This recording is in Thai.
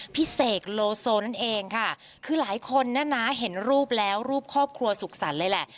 เสกโลโซนั่นเองค่ะคือหลายคนนะนะเห็นรูปแล้วรูปครอบครัวสุขสรรค์เลยแหละ